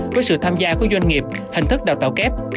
với sự tham gia của doanh nghiệp hình thức đào tạo kép